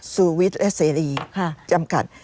ซูวิทเอสเซรีจำกัด